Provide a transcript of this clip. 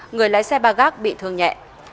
người lái xe ba gác bị thương nhẹ